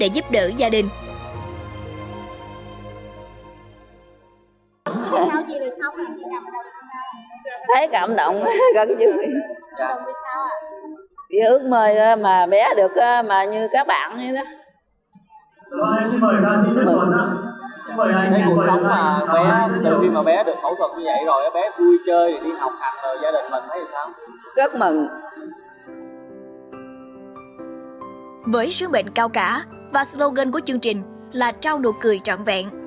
với sứ mệnh cao cả và slogan của chương trình là trao nụ cười trọn vẹn